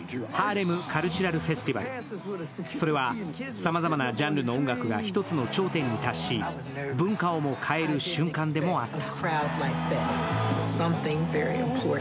さまざまなジャンルの音楽が一つの頂点に達し、文化をも変える瞬間でもあった。